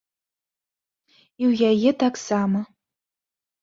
І ў яе таксама.